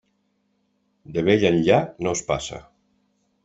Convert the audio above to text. De vell enllà, no es passa.